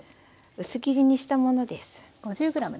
薄切りにしたものです。